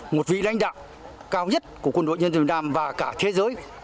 một vị lãnh đạo cao nhất của quân đội nhân dân việt nam và cả thế giới